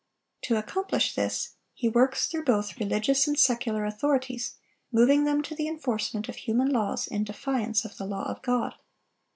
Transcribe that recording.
To accomplish this, he works through both religious and secular authorities, moving them to the enforcement of human laws in defiance of the law of God.